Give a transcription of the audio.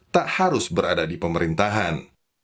tak harus berada di pemerintahan